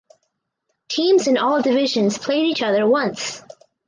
Teams in all divisions played each other once.